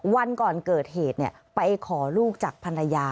วันก่อนเกิดเหตุไปขอลูกจากภรรยา